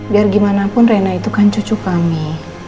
biar gimana pun rena itu kan cucu kami